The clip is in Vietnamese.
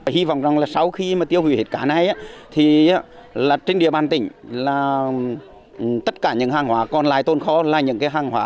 hy vọng sau khi tiêu hủy hết cán này trên địa bàn tỉnh tất cả những hàng hóa còn lại tôn khó là những hàng hóa